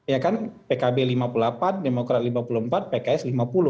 ya kan pkb lima puluh delapan demokrat lima puluh empat pks lima puluh